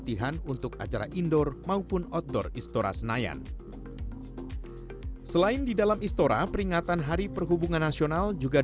terlalu doa mencintainu